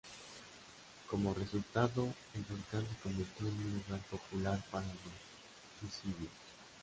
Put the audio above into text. Como resultado, el volcán se convirtió en un lugar popular para los suicidios.